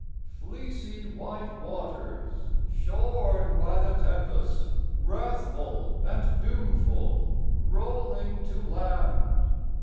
Fleecy white waters, Shorn by the tempest, Wrathful and doomful Rolling to land!